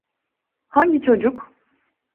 Hangi çocuk?